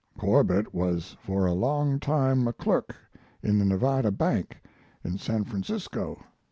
Corbett was for a long time a clerk in the Nevada Bank, in San Francisco.